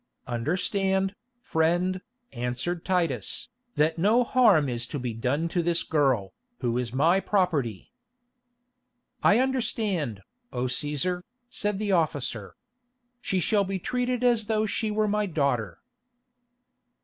"Understand, friend," answered Titus, "that no harm is to be done to this girl, who is my property." "I understand, O Cæsar," said the officer. "She shall be treated as though she were my daughter."